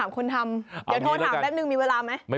กลับไปต้องถามแปบนึงมีเวลามั้ยฮ่าเอานี้ละกัน